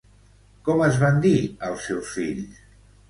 Com es van dir els seus fills?